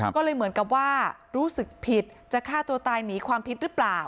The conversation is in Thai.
ก็เลยเหมือนกับว่ารู้สึกผิดจะฆ่าตัวตายหนีความผิดหรือเปล่า